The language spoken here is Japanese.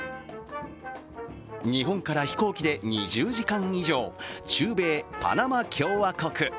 日本から飛行機で２０時間以上、中米・パナマ共和国。